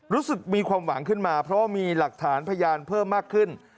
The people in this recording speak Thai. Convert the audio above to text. รู้สึกมีความหวังขึ้นมาเพราะว่ามีหลักฐานพยานเพิ่มมากขึ้น